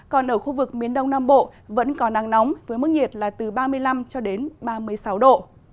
còn ở khu vực miền đông nam bộ vẫn còn nắng nóng với mức nhiệt từ ba mươi năm ba mươi sáu độ